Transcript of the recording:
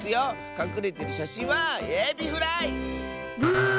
かくれてるしゃしんはエビフライ！ブー。